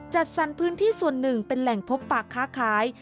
จัดสรรพื้นที่ส่วนหนึ่งเป็นแหล่งพบปากค้าขาย